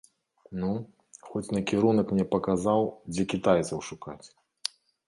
Ну, хоць накірунак мне паказаў, дзе кітайцаў шукаць.